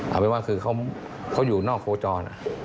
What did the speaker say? เอาเป็นว่าคือเขาอยู่นอกโคจร